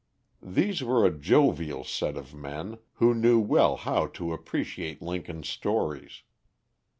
These were a jovial set of men, who knew well how to appreciate Lincoln's stories.